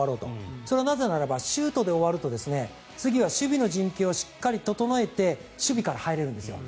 それはなぜならばシュートで終わると次は守備の陣形をしっかり整えて守備から入れるんです。